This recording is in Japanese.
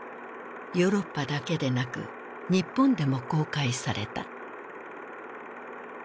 ヨーロッパだけでなく日本でも公開された。